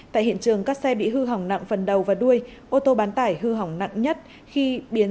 tại hiện trường các xe bị hư hỏng nặng phần đầu và đuôi ô tô bán tải hư hỏng nặng nhất khi biến